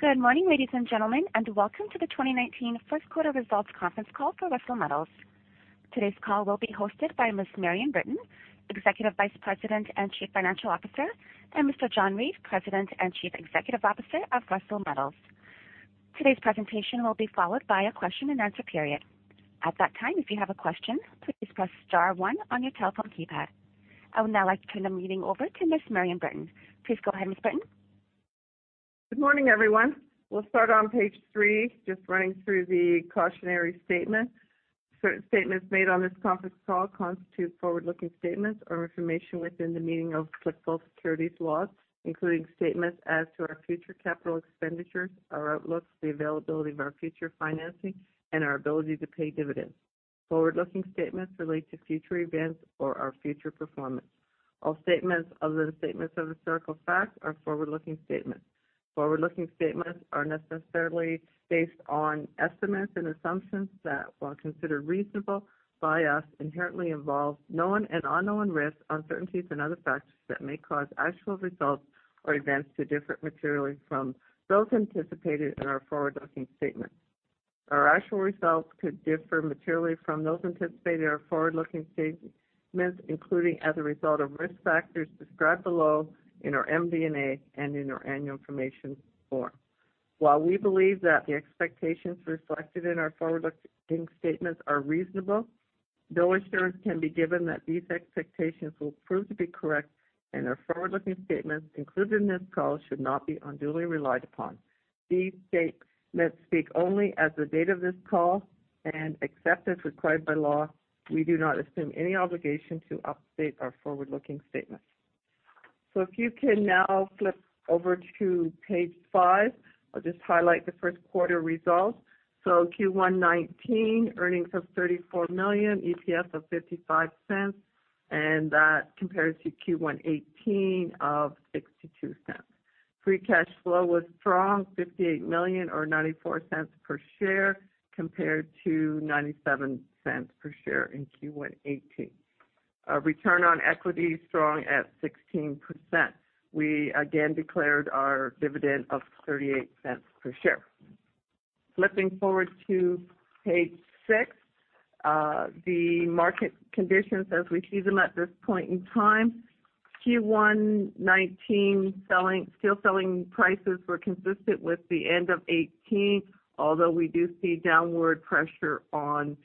Good morning, ladies and gentlemen, and welcome to the 2019 first quarter results conference call for Russel Metals. Today's call will be hosted by Ms. Marion Britton, Executive Vice President and Chief Financial Officer, and Mr. John Reid, President and Chief Executive Officer of Russel Metals. Today's presentation will be followed by a question and answer period. At that time, if you have a question, please press star one on your telephone keypad. I would now like to turn the meeting over to Ms. Marion Britton. Please go ahead, Ms. Britton. Good morning, everyone. We'll start on page three, just running through the cautionary statement. Certain statements made on this conference call constitute forward-looking statements or information within the meaning of applicable securities laws, including statements as to our future capital expenditures, our outlook, the availability of our future financing, and our ability to pay dividends. Forward-looking statements relate to future events or our future performance. All statements other than statements of historical fact are forward-looking statements. Forward-looking statements are necessarily based on estimates and assumptions that, while considered reasonable by us, inherently involve known and unknown risks, uncertainties and other factors that may cause actual results or events to differ materially from those anticipated in our forward-looking statement. Our actual results could differ materially from those anticipated in our forward-looking statements, including as a result of risk factors described below in our MD&A and in our annual information form. While we believe that the expectations reflected in our forward-looking statements are reasonable, no assurance can be given that these expectations will prove to be correct, and our forward-looking statements included in this call should not be unduly relied upon. These statements speak only as of the date of this call and, except as required by law, we do not assume any obligation to update our forward-looking statements. If you can now flip over to page five, I'll just highlight the first quarter results. Q1 2019, earnings of 34 million, EPS of 0.55, and that compares to Q1 2018 of 0.62. Free cash flow was strong, 58 million or 0.94 per share, compared to 0.97 per share in Q1 2018. Our return on equity is strong at 16%. We again declared our dividend of 0.38 per share. Flipping forward to page six. The market conditions as we see them at this point in time. Q1 2019, steel selling prices were consistent with the end of 2018, although we do see downward pressure on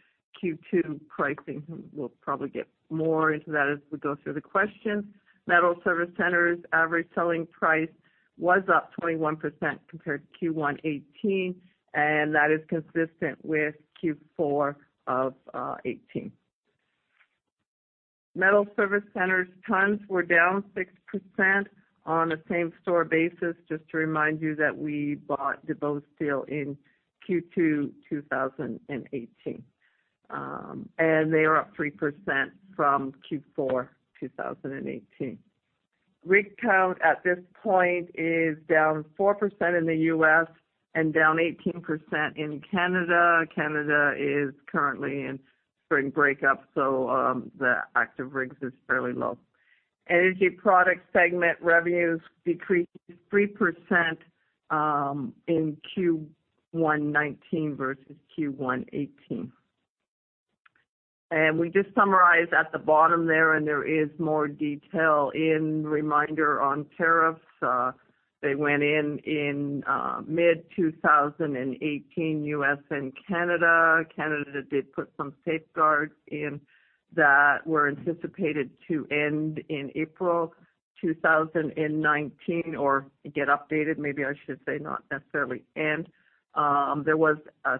Q2 pricing. We'll probably get more into that as we go through the questions. Metal Service Center's average selling price was up 21% compared to Q1 2018, and that is consistent with Q4 of 2018. Metal Service Center's tons were down 6% on a same-store basis, just to remind you that we bought DuBose Steel in Q2 2018. They are up 3% from Q4 2018. Rig count at this point is down 4% in the U.S. and down 18% in Canada. Canada is currently in spring breakup. The active rigs is fairly low. Energy Product segment revenues decreased 3% in Q1 2019 versus Q1 2018. We just summarize at the bottom there. There is more detail in reminder on tariffs. They went in in mid-2018, U.S. and Canada. Canada did put some safeguards in that were anticipated to end in April 2019 or get updated. Maybe I should say not necessarily end. There was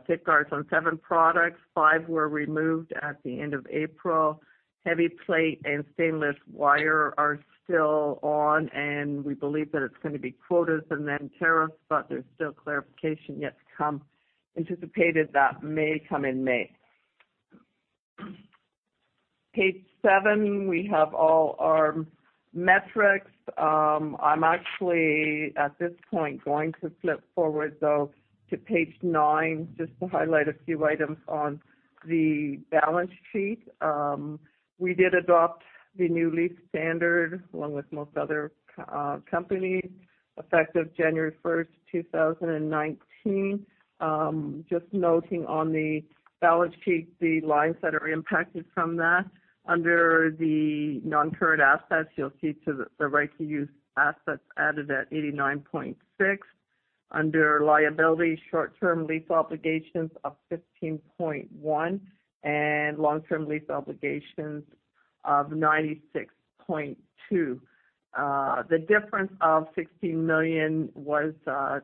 safeguards on seven products. Five were removed at the end of April. Heavy plate and stainless wire are still on, and we believe that it's going to be quotas and then tariffs, but there's still clarification yet to come. Anticipated that may come in May. Page seven, we have all our metrics. I'm actually, at this point, going to flip forward, though, to page nine just to highlight a few items on the balance sheet. We did adopt the new lease standard along with most other companies effective January 1st, 2019. Just noting on the balance sheet the lines that are impacted from that. Under the non-current assets, you'll see the right to use assets added at 89.6. Under liabilities, short-term lease obligations of 15.1 and long-term lease obligations of 96.2. The difference of 16 million was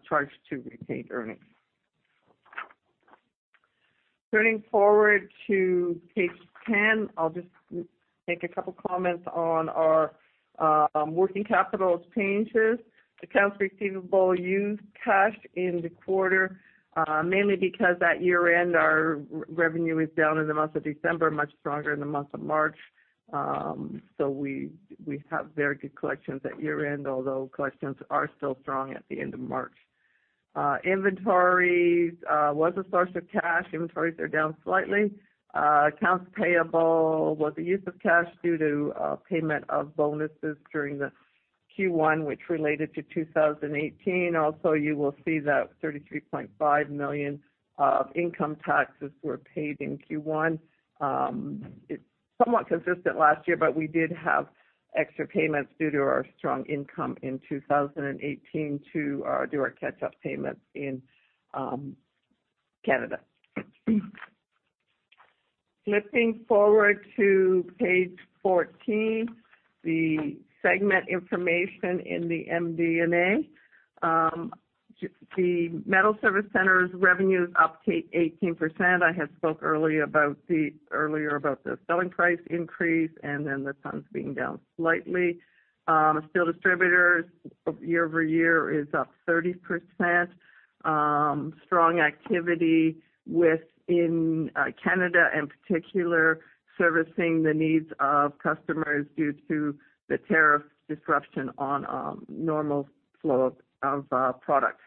charged to retained earnings. Turning forward to page 10, I'll just make a couple of comments on our working capital changes. Accounts receivable used cash in the quarter, mainly because at year-end, our revenue is down in the month of December, much stronger in the month of March. We have very good collections at year-end, although collections are still strong at the end of March. Inventories was a source of cash. Inventories are down slightly. Accounts payable was a use of cash due to payment of bonuses during Q1, which related to 2018. Also, you will see that 33.5 million of income taxes were paid in Q1. It's somewhat consistent last year, but we did have extra payments due to our strong income in 2018 to do our catch-up payments in Canada. Flipping forward to page 14, the segment information in the MD&A. The metal service centers revenues up to 18%. I had spoke earlier about the selling price increase. Then the tons being down slightly. Steel distributors year-over-year is up 30%. Strong activity within Canada, in particular, servicing the needs of customers due to the tariff disruption on normal flow of products.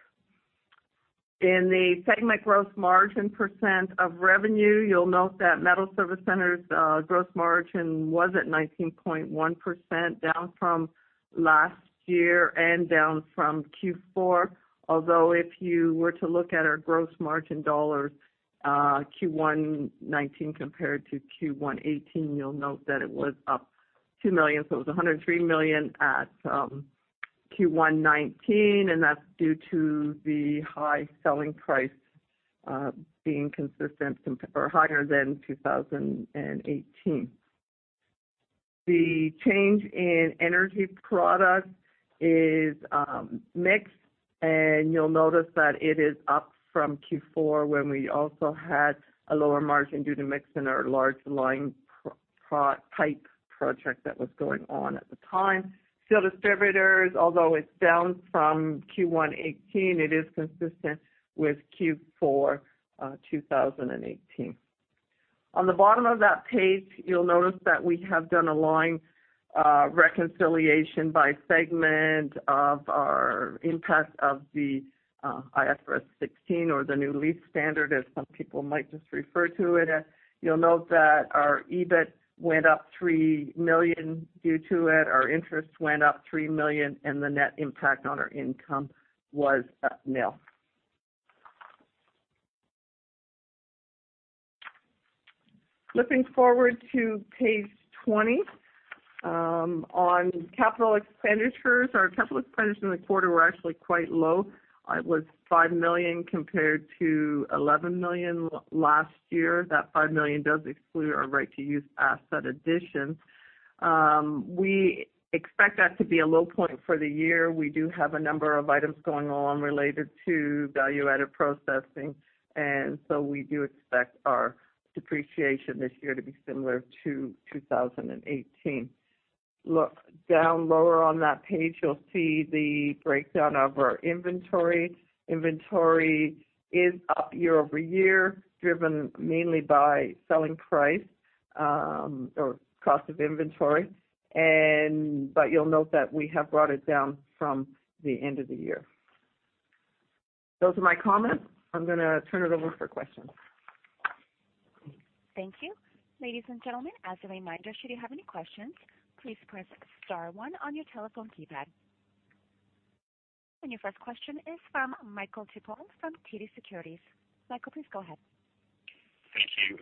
In the segment gross margin % of revenue, you'll note that metal service centers gross margin was at 19.1%, down from last year and down from Q4. Although, if you were to look at our gross margin dollars, Q1 2019 compared to Q1 2018, you'll note that it was up 2 million. It was 103 million at Q1 2019. That's due to the high selling price being consistent or higher than 2018. The change in energy product is mixed, and you'll notice that it is up from Q4, when we also had a lower margin due to mix in our large line type project that was going on at the time. Steel distributors, although it's down from Q1 2018, it is consistent with Q4 2018. On the bottom of that page, you'll notice that we have done a line reconciliation by segment of our impact of the IFRS 16 or the new lease standard, as some people might just refer to it as. You'll note that our EBIT went up 3 million due to it, our interest went up 3 million, and the net impact on our income was at nil. Flipping forward to page 20. On capital expenditures, our capital expenditures in the quarter were actually quite low. It was 5 million compared to 11 million last year. That 5 million does exclude our right to use asset additions. We expect that to be a low point for the year. We do have a number of items going on related to value-added processing, we do expect our depreciation this year to be similar to 2018. Look down lower on that page, you'll see the breakdown of our inventory. Inventory is up year-over-year, driven mainly by selling price, or cost of inventory. You'll note that we have brought it down from the end of the year. Those are my comments. I'm going to turn it over for questions. Thank you. Ladies and gentlemen, as a reminder, should you have any questions, please press *1 on your telephone keypad. Your first question is from Michael Tupholme from TD Securities. Michael, please go ahead. Thank you.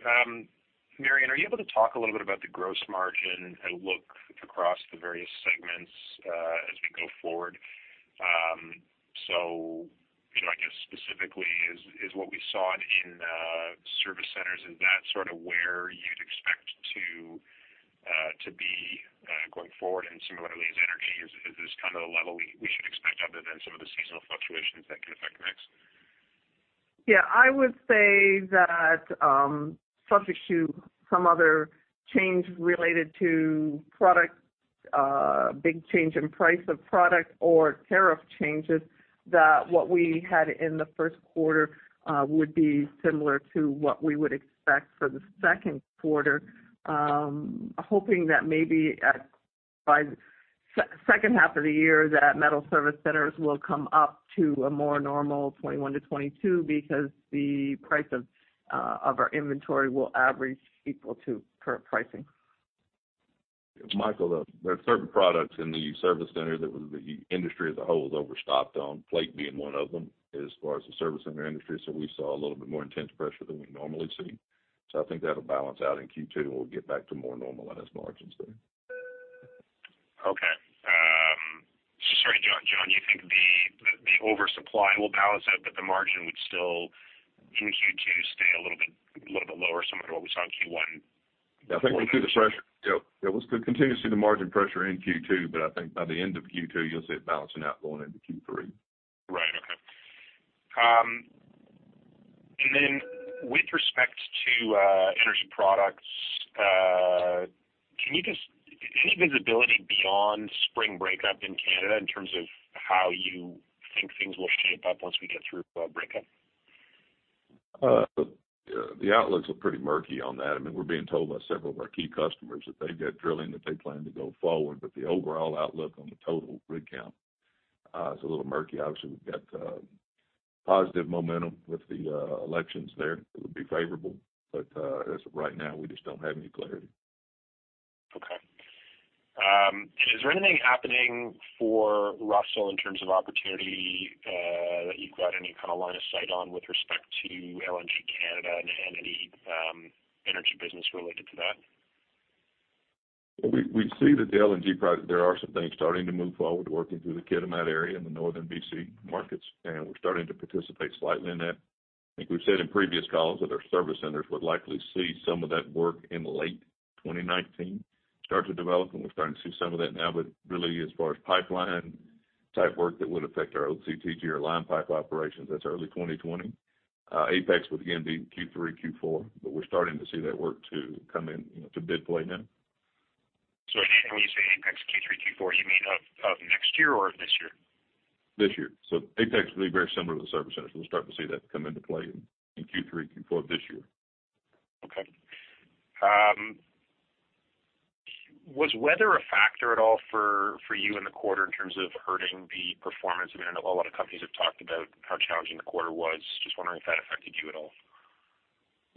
Marion, are you able to talk a little bit about the gross margin and look across the various segments as we go forward? I guess specifically, is what we saw it in service centers, is that sort of where you'd expect to be going forward? Similarly as energy, is this kind of the level we should expect other than some of the seasonal fluctuations that can affect the mix? Yeah, I would say that, subject to some other change related to product, big change in price of product or tariff changes, that what we had in the first quarter would be similar to what we would expect for the second quarter. Hoping that maybe by second half of the year, that metal service centers will come up to a more normal 21-22 because the price of our inventory will average equal to current pricing. Michael, there are certain products in the service center that the industry as a whole is overstocked on, plate being one of them as far as the service center industry, we saw a little bit more intense pressure than we normally see. I think that'll balance out in Q2, and we'll get back to more normalized margins there. Okay. Sorry, John, you think the oversupply will balance out, the margin would still, in Q2, stay a little bit lower, similar to what we saw in Q1? We'll continue to see the margin pressure in Q2, I think by the end of Q2, you'll see it balancing out going into Q3. Right. Okay. With respect to energy products, any visibility beyond spring breakup in Canada in terms of how you think things will shape up once we get through breakup? The outlooks look pretty murky on that. We're being told by several of our key customers that they've got drilling that they plan to go forward, the overall outlook on the total rig count. It's a little murky. Obviously, we've got positive momentum with the elections there that would be favorable. As of right now, we just don't have any clarity. Okay. Is there anything happening for Russel in terms of opportunity that you've got any kind of line of sight on with respect to LNG Canada and any energy business related to that? Well, we see that the LNG project, there are some things starting to move forward, working through the Kitimat area in the northern BC markets, and we're starting to participate slightly in that. I think we've said in previous calls that our service centers would likely see some of that work in late 2019 start to develop, and we're starting to see some of that now. Really, as far as pipeline type work, that would affect our OCTG or line pipe operations, that's early 2020. Apex would again be Q3, Q4, but we're starting to see that work to come into bid play now. When you say Apex Q3, Q4, you mean of next year or of this year? This year. Apex will be very similar to the service centers. We'll start to see that come into play in Q3, Q4 of this year. Okay. Was weather a factor at all for you in the quarter in terms of hurting the performance? I mean, I know a lot of companies have talked about how challenging the quarter was. Just wondering if that affected you at all.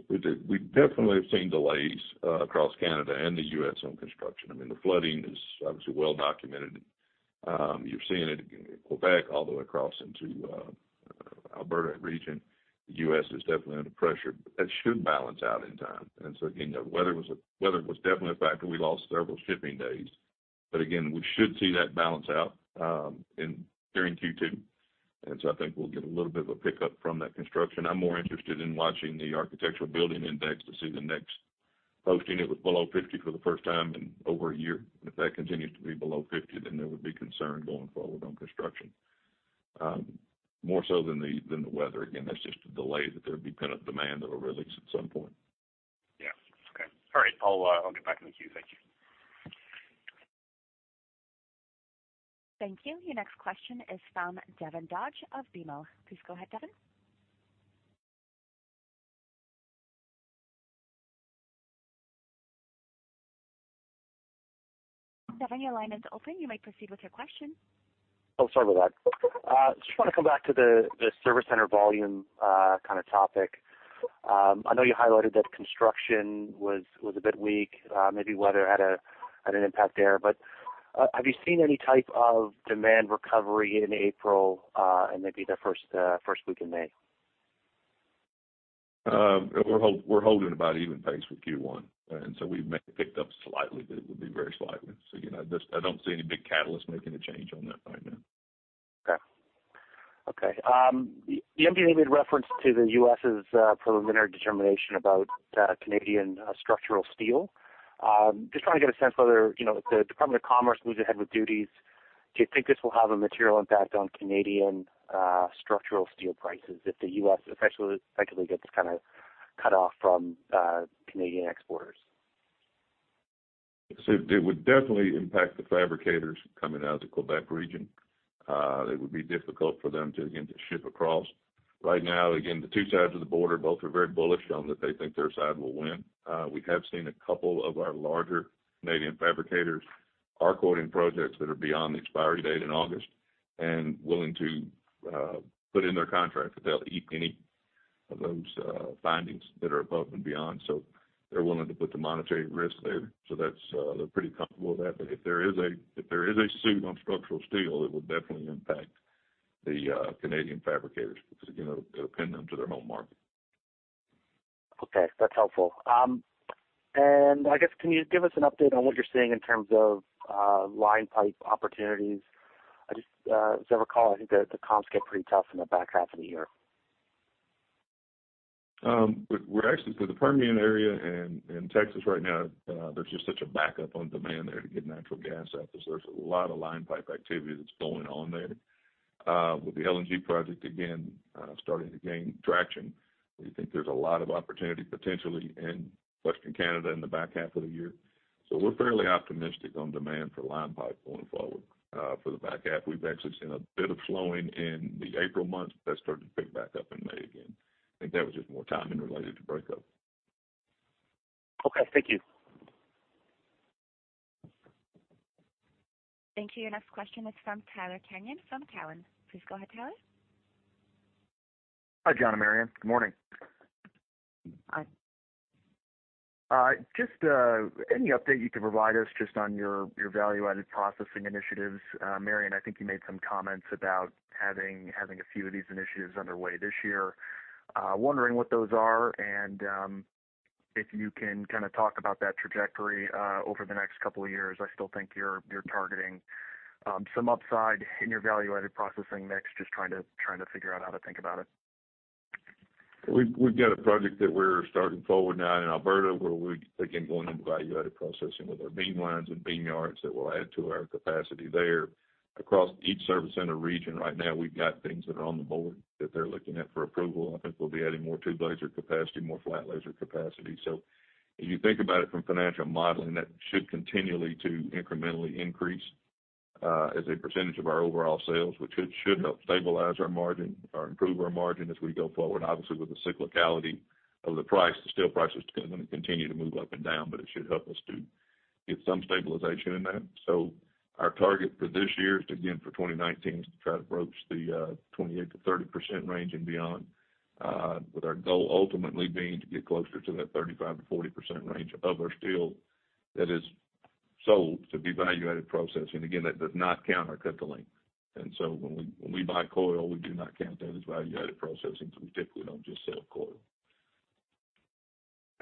We definitely have seen delays across Canada and the U.S. on construction. I mean, the flooding is obviously well documented. You're seeing it in Quebec all the way across into Alberta region. The U.S. is definitely under pressure. That should balance out in time. Again, the weather was definitely a factor. We lost several shipping days, but again, we should see that balance out during Q2. I think we'll get a little bit of a pickup from that construction. I'm more interested in watching the architectural building index to see the next posting. It was below 50 for the first time in over a year. If that continues to be below 50, then there would be concern going forward on construction. More so than the weather. Again, that's just a delay, that there would be pent-up demand that will release at some point. Yeah. Okay. All right. I'll get back in the queue. Thank you. Thank you. Your next question is from Devin Dodge of BMO. Please go ahead, Devin. Devin, your line is open. You may proceed with your question. Sorry about that. I just want to come back to the service center volume kind of topic. I know you highlighted that construction was a bit weak. Maybe weather had an impact there, have you seen any type of demand recovery in April and maybe the first week in May? We're holding about even pace with Q1. We may have picked up slightly, it would be very slightly. Again, I don't see any big catalyst making a change on that right now. Okay. The MD&A made reference to the U.S.'s preliminary determination about Canadian structural steel. Just trying to get a sense whether, if the Department of Commerce moves ahead with duties, do you think this will have a material impact on Canadian structural steel prices if the U.S. effectively gets cut off from Canadian exporters? It would definitely impact the fabricators coming out of the Quebec region. It would be difficult for them to, again, ship across. Right now, again, the two sides of the border both are very bullish on that they think their side will win. We have seen a couple of our larger Canadian fabricators are quoting projects that are beyond the expiry date in August and willing to put in their contract that they'll eat any of those findings that are above and beyond. They're willing to put the monetary risk there. They're pretty comfortable with that. If there is a suit on structural steel, it will definitely impact the Canadian fabricators because it'll pin them to their home market. Okay, that's helpful. I guess, can you give us an update on what you're seeing in terms of line pipe opportunities? I just, as I recall, I think the comps get pretty tough in the back half of the year. We're actually, for the Permian area in Texas right now, there's just such a backup on demand there to get natural gas out. There's a lot of line pipe activity that's going on there. With the LNG project, again, starting to gain traction, we think there's a lot of opportunity potentially in western Canada in the back half of the year. We're fairly optimistic on demand for line pipe going forward for the back half. We've actually seen a bit of slowing in the April months, but that's starting to pick back up in May again. I think that was just more timing related to breakup. Okay. Thank you. Thank you. Your next question is from Tyler Kenyon from Cowen. Please go ahead, Tyler. Hi, John and Marion. Good morning. Hi. Just any update you can provide us just on your value-added processing initiatives? Marion, I think you made some comments about having a few of these initiatives underway this year. Wondering what those are, and if you can kind of talk about that trajectory over the next couple of years. I still think you're targeting some upside in your value-added processing mix. Just trying to figure out how to think about it. We've got a project that we're starting forward now in Alberta where we're, again, going into value-added processing with our beam lines and beam yards that will add to our capacity there. Across each service center region right now, we've got things that are on the board that they're looking at for approval. I think we'll be adding more tube laser capacity, more flat laser capacity. If you think about it from financial modeling, that should continually to incrementally increase as a percentage of our overall sales, which should help stabilize our margin or improve our margin as we go forward. Obviously, with the cyclicality of the price, the steel prices are going to continue to move up and down, but it should help us to get some stabilization in that. Our target for this year, again for 2019, is to try to approach the 28%-30% range and beyond, with our goal ultimately being to get closer to that 35%-40% range of our steel that is sold to be value-added processing. Again, that does not count our cut-to-length. When we buy coil, we do not count that as value-added processing because we typically don't just sell coil.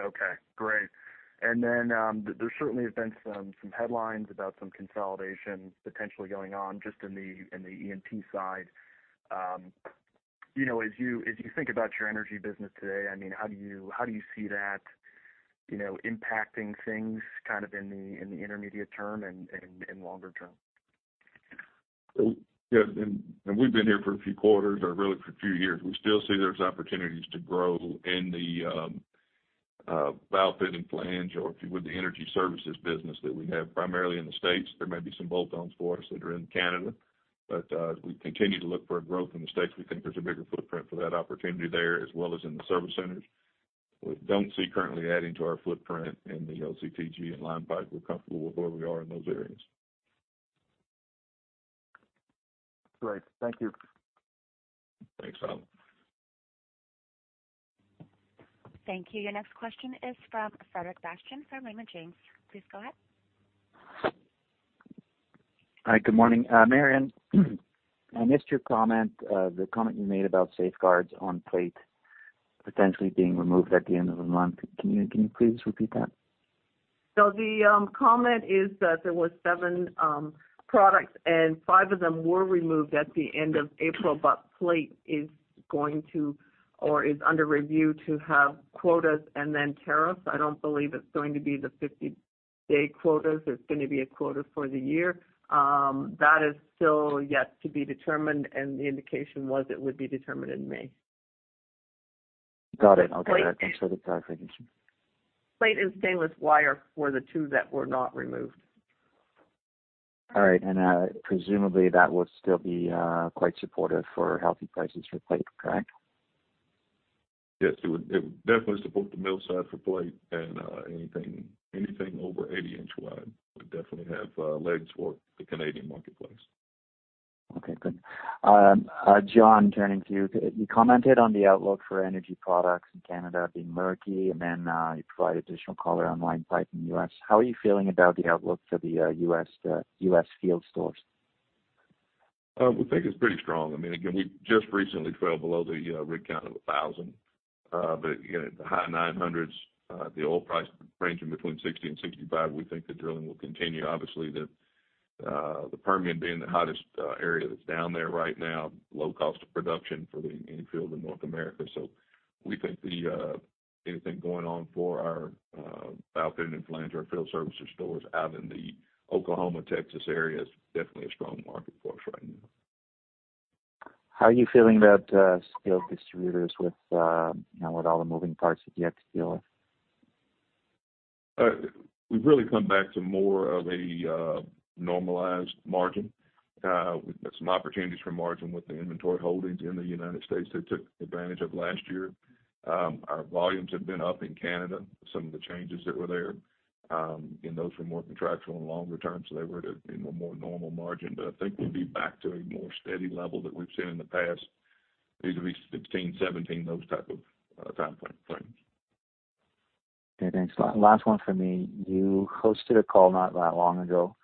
Okay, great. There certainly have been some headlines about some consolidation potentially going on just in the E&P side. As you think about your energy business today, how do you see that impacting things in the intermediate term and in longer term? Yeah. We've been here for a few quarters or really for a few years. We still see there's opportunities to grow in the valve fitting flange or with the energy services business that we have primarily in the U.S. There may be some bolt-ons for us that are in Canada. As we continue to look for growth in the U.S., we think there's a bigger footprint for that opportunity there as well as in the service centers. We don't see currently adding to our footprint in the OCTG and line pipe. We're comfortable with where we are in those areas. Great. Thank you. Thanks, Tyler. Thank you. Your next question is from Frederic Bastien from Raymond James. Please go ahead. Hi. Good morning. Marion, I missed your comment, the comment you made about safeguards on plate potentially being removed at the end of the month. Can you please repeat that? The comment is that there were seven products, and five of them were removed at the end of April, but plate is going to or is under review to have quotas and then tariffs. I don't believe it's going to be the 50-day quotas. It's going to be a quota for the year. That is still yet to be determined, and the indication was it would be determined in May. Got it. Okay. Plate- Thanks for the clarification. Plate and stainless wire were the two that were not removed. All right. Presumably, that would still be quite supportive for healthy prices for plate, correct? Yes. It would definitely support the mill side for plate and anything over 80 inch wide would definitely have legs for the Canadian marketplace. Okay, good. John, turning to you. You commented on the outlook for energy products in Canada being murky, then you provided additional color on line pipe in the U.S. How are you feeling about the outlook for the U.S. field stores? We think it's pretty strong. Again, we just recently fell below the rig count of 1,000. Again, at the high 900s, the oil price ranging between 60 and 65, we think the drilling will continue. Obviously, the Permian being the hottest area that's down there right now. Low cost of production for the infield in North America. We think anything going on for our valve fitting and flange, our field services stores out in the Oklahoma, Texas area is definitely a strong market for us right now. How are you feeling about steel distributors with all the moving parts that you have to deal with? We've really come back to more of a normalized margin. We've got some opportunities for margin with the inventory holdings in the U.S. that took advantage of last year. Our volumes have been up in Canada. Some of the changes that were there in those were more contractual and longer term, so they were in a more normal margin. I think we'll be back to a more steady level that we've seen in the past, maybe 2016, 2017, those type of time frames. Okay, thanks. Last one from me. You hosted a call not that long ago.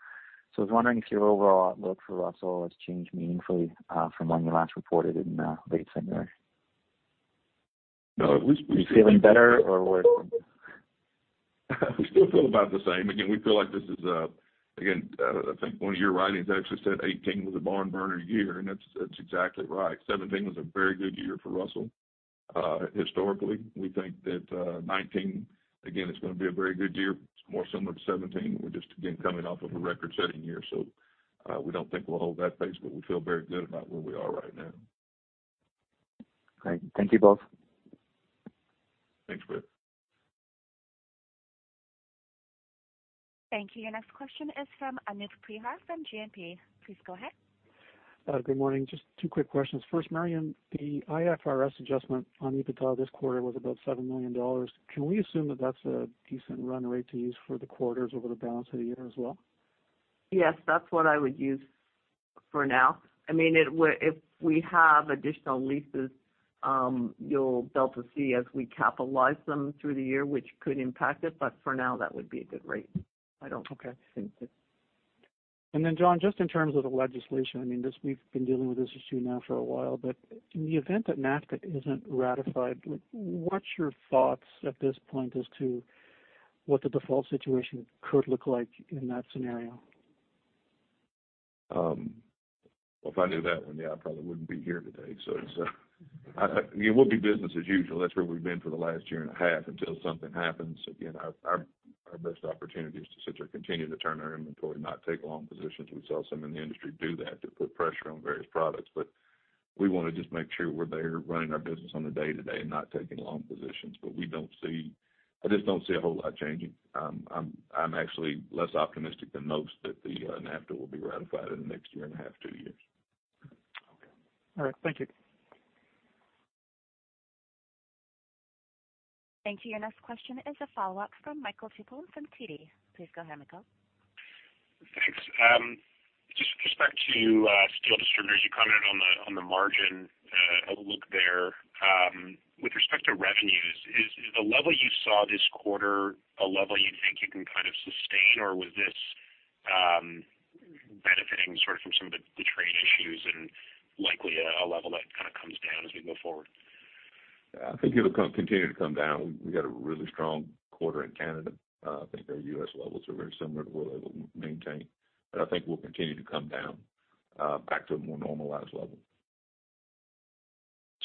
I was wondering if your overall outlook for Russel has changed meaningfully from when you last reported in late February. No. Are you feeling better or worse? We still feel about the same. We feel like this is, again, I think one of your writings actually said 2018 was a barn burner year, and that's exactly right. 2017 was a very good year for Russel. Historically, we think that 2019, again, is going to be a very good year. It's more similar to 2017. We're just, again, coming off of a record-setting year. We don't think we'll hold that pace, but we feel very good about where we are right now. Great. Thank you both. Thanks, Fred. Thank you. Your next question is from Anoop Prihar from GMP. Please go ahead. Good morning. Just two quick questions. First, Marion, the IFRS adjustment on EBITDA this quarter was about 7 million dollars. Can we assume that that's a decent run rate to use for the quarters over the balance of the year as well? Yes, that's what I would use for now. If we have additional leases, you'll be able to see as we capitalize them through the year, which could impact it, but for now, that would be a good rate. Okay. I think it John, just in terms of the legislation, we've been dealing with this issue now for a while, but in the event that NAFTA isn't ratified, what's your thoughts at this point as to what the default situation could look like in that scenario? If I knew that one, yeah, I probably wouldn't be here today. It will be business as usual. That's where we've been for the last year and a half until something happens. Again, our best opportunity is to sit there, continue to turn our inventory, not take long positions. We saw some in the industry do that to put pressure on various products, but we want to just make sure we're there running our business on the day-to-day and not taking long positions. I just don't see a whole lot changing. I'm actually less optimistic than most that the NAFTA will be ratified in the next year and a half, two years. Okay. All right. Thank you. Thank you. Your next question is a follow-up from Michael Tupholme from TD. Please go ahead, Michael. Thanks. Just with respect to steel distributors, you commented on the margin outlook there. With respect to revenues, is the level you saw this quarter a level you think you can sustain, or was this benefiting from some of the trade issues and likely a level that comes down as we go forward? I think it'll continue to come down. We had a really strong quarter in Canada. I think our U.S. levels are very similar to what they will maintain, but I think we'll continue to come down back to a more normalized level.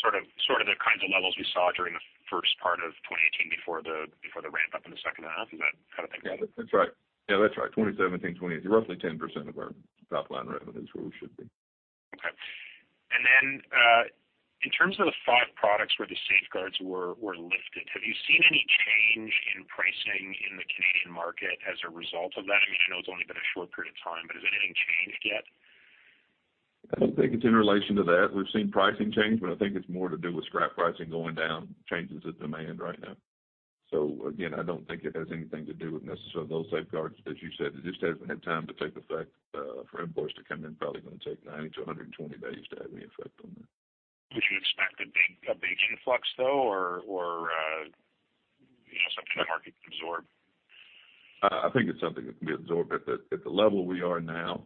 Sort of the kinds of levels we saw during the first part of 2018 before the ramp-up in the second half, is that kind of thing? Yeah. That's right. 2017, 2018, roughly 10% of our top-line revenue is where we should be. Okay. In terms of the five products where the safeguards were lifted, have you seen any change in pricing in the Canadian market as a result of that? I know it's only been a short period of time, but has anything changed yet? I don't think it's in relation to that. We've seen pricing change, but I think it's more to do with scrap pricing going down, changes in demand right now. Again, I don't think it has anything to do with necessarily those safeguards, as you said. It just hasn't had time to take effect. For imports to come in, probably going to take 90 to 120 days to have any effect on that. Would you expect a big influx, though, or something the market can absorb? I think it's something that can be absorbed. At the level we are now,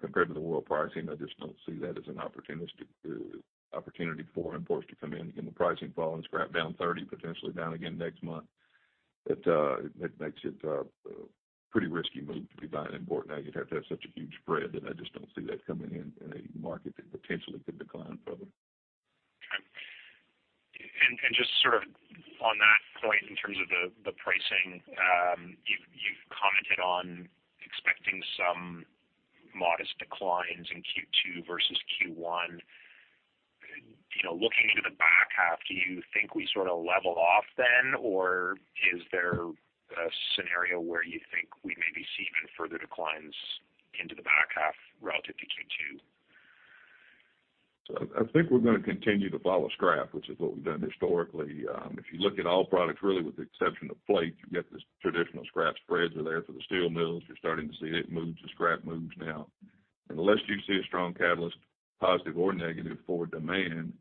compared to the world pricing, I just don't see that as an opportunity for imports to come in. The pricing falling, scrap down 30%, potentially down again next month. It makes it a pretty risky move to be buying import now. You'd have to have such a huge spread that I just don't see that coming in a market that potentially could decline further. Okay. Just on that point, in terms of the pricing, you've commented on expecting some modest declines in Q2 versus Q1. Looking into the back half, do you think we level off, or is there a scenario where you think we maybe see even further declines into the back half relative to Q2? I think we're going to continue to follow scrap, which is what we've done historically. If you look at all products, really with the exception of plate, you get this traditional scrap spreads are there for the steel mills. You're starting to see it move as scrap moves now. Unless you see a strong catalyst, positive or negative for demand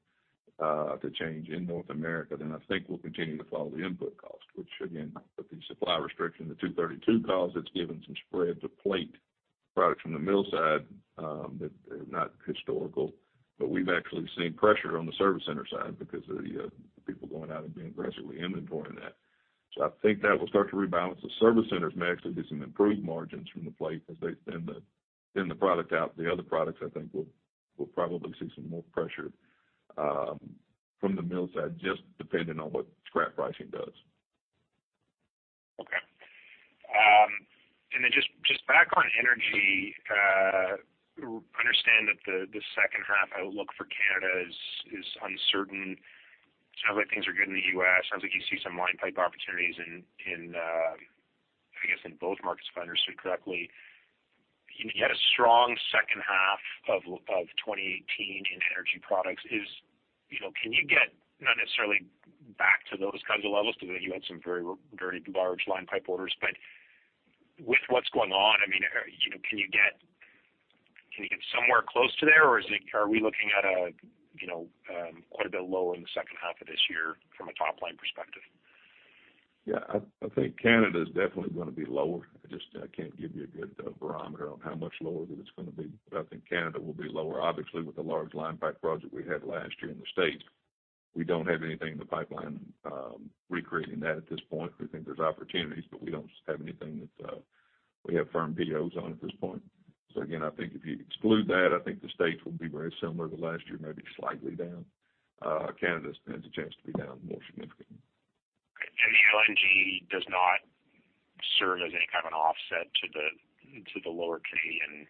to change in North America, I think we'll continue to follow the input cost, which again, with the supply restriction the Section 232 caused, it's given some spread to plate products from the mill side, that are not historical. We've actually seen pressure on the service center side because of the people going out and aggressively inventorying that. I think that will start to rebalance. The service centers may actually get some improved margins from the plate as they thin the product out. The other products, I think, we'll probably see some more pressure from the mill side just depending on what scrap pricing does. Okay. Just back on energy, understand that the second half outlook for Canada is uncertain. Sounds like things are good in the U.S. Sounds like you see some line pipe opportunities in, I guess, in both markets if I understood correctly. You had a strong second half of 2018 in energy products. Can you get, not necessarily back to those kinds of levels because I know you had some very large line pipe orders, but with what's going on, can you get somewhere close to there, or are we looking at quite a bit lower in the second half of this year from a top-line perspective? Yeah. I think Canada's definitely going to be lower. I just can't give you a good barometer on how much lower that it's going to be, but I think Canada will be lower. Obviously, with the large line pipe project we had last year in the U.S., we don't have anything in the pipeline recreating that at this point. We think there's opportunities, but we don't have anything that we have firm POs on at this point. Again, I think if you exclude that, I think the U.S. will be very similar to last year, maybe slightly down. Canada stands a chance to be down more significantly. The LNG does not serve as any kind of an offset to the lower Canadian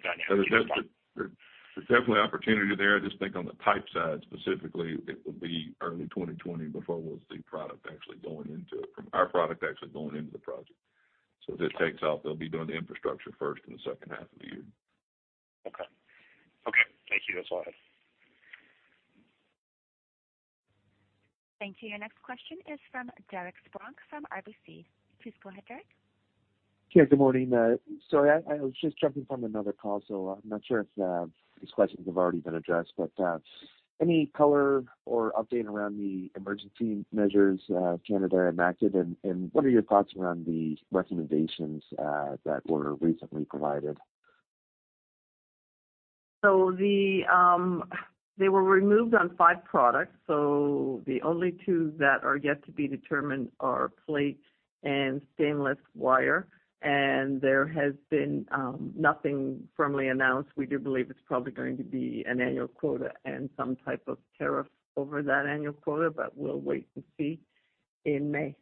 dynamic you described? There's definitely opportunity there. I just think on the pipe side specifically, it will be early 2020 before we'll see our product actually going into the project. If this takes off, they'll be doing the infrastructure first in the second half of the year. Okay. Thank you. That's all I had. Thank you. Your next question is from Derek Spronck from RBC. Please go ahead, Derek. Yeah, good morning. Sorry, I was just jumping from another call, so I'm not sure if these questions have already been addressed, but any color or update around the emergency measures Canada enacted, and what are your thoughts around the recommendations that were recently provided? They were removed on five products, so the only two that are yet to be determined are plate and stainless wire. There has been nothing firmly announced. We do believe it's probably going to be an annual quota and some type of tariff over that annual quota. We'll wait to see in May.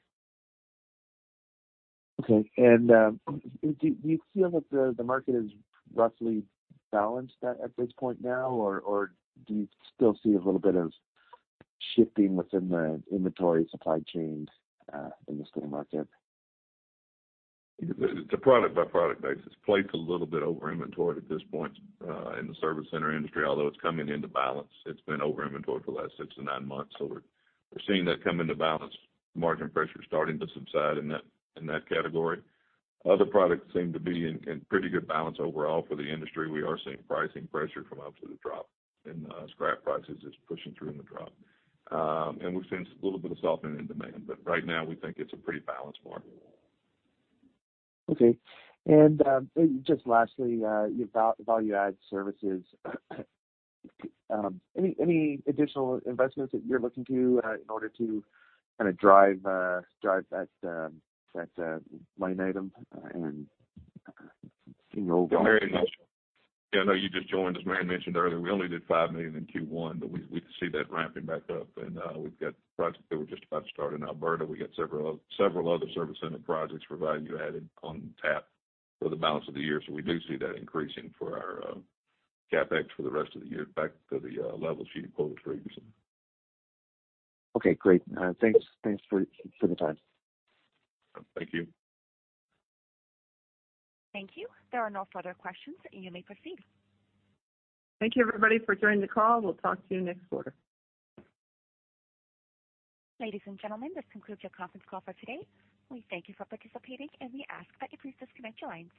Okay. Do you feel that the market is roughly balanced at this point now, or do you still see a little bit of shifting within the inventory supply chains in the steel market? It's a product-by-product basis. Plate's a little bit over inventoried at this point in the service center industry, although it's coming into balance. It's been over inventoried for the last six to nine months, we're seeing that come into balance. Margin pressure is starting to subside in that category. Other products seem to be in pretty good balance overall for the industry. We are seeing pricing pressure from upstream drop and scrap prices is pushing through in the drop. We've seen a little bit of softening in demand, right now, we think it's a pretty balanced market. Okay. Just lastly, your value-add services. Any additional investments that you're looking to in order to drive that line item and overall- Yeah, I know you just joined. As Marion mentioned earlier, we only did 5 million in Q1, we see that ramping back up, we've got projects that we're just about to start in Alberta. We got several other service center projects for value added on tap for the balance of the year. We do see that increasing for our CapEx for the rest of the year, back to the levels you'd quoted previously. Okay, great. Thanks for the time. Thank you. Thank you. There are no further questions. You may proceed. Thank you, everybody, for joining the call. We'll talk to you next quarter. Ladies and gentlemen, this concludes your conference call for today. We thank you for participating, and we ask that you please disconnect your lines.